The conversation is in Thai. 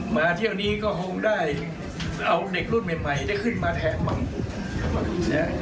มาเที่ยวนี้ก็โฮมได้เอาเด็กรุ่นใหม่ได้ขึ้นมาแทน